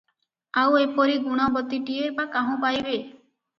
ଆଉ ଏପରି ଗୁଣବତୀଟିଏ ବା କାହୁଁ ପାଇବେ?